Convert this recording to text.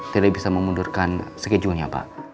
tidak bisa memundurkan schedule nya pak